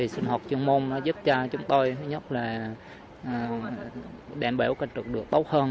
sinh hoạt chuyên môn giúp cho chúng tôi đảm bảo canh trực được tốt hơn